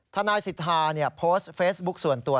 ทนายสิทธาโพสต์เฟซบุ๊คส่วนตัว